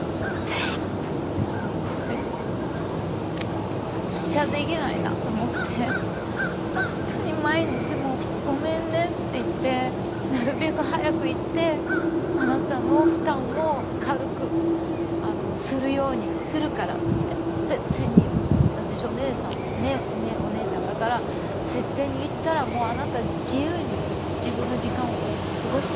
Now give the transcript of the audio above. これは私はできないなと思って本当に毎日もうごめんねって言ってなるべく早く行ってあなたの負担を軽くするようにするからって絶対に私お姉さんお姉ちゃんだから絶対に行ったらもうあなた自由に自分の時間を過ごして下さいと。